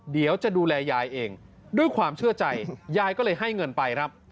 เดี๋ยวจะดูแลยายเองด้วยความเชื่อใจยายก็เลยให้เงินไปครับ